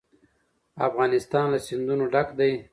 افغانستان له سیندونه ډک دی.